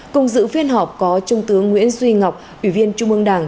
cùng dự phiên họp có trung tướng nguyễn duy ngọc ủy viên trung ương đảng